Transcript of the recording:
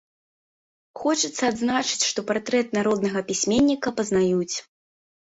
Хочацца адзначыць, што партрэт народнага пісьменніка пазнаюць.